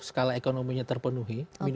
skala ekonominya terpenuhi